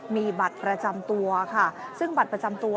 มีบัตรประจำตัวค่ะซึ่งบัตรประจำตัว